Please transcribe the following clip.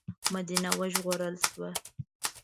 مدینه وژغورل شوه.